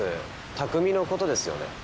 匠のことですよね？